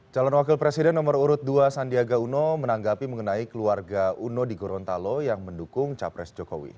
calon wakil presiden nomor urut dua sandiaga uno menanggapi mengenai keluarga uno di gorontalo yang mendukung capres jokowi